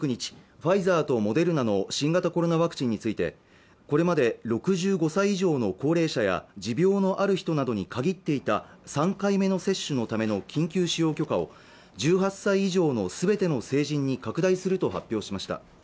ファイザーとモデルナの新型コロナワクチンについてこれまで６５歳以上の高齢者や持病のある人などに限っていた３回目の接種のための緊急使用許可を１８歳以上の全ての成人に拡大すると発表しました